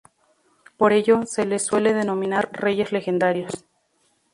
Por ello se les suele denominar "reyes legendarios".